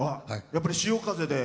やっぱり潮風で？